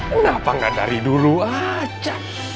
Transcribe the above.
kenapa nggak dari dulu aja